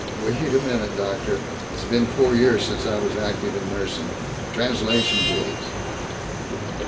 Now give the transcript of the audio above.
"Wait a minute, doctor. It's been four years since I was active in nursing. Translation, please."